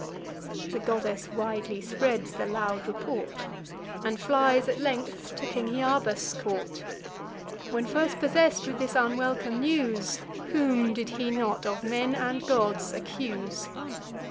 The goddess widely spreads the loud report, And flies at length to King Hyarba's court. When first possess'd with this unwelcome news Whom did he not of men and gods accuse?